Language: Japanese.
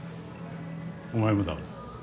お前もだろ？